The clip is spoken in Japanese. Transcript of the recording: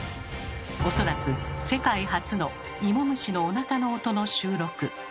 おそらく世界初のイモムシのおなかの音の収録。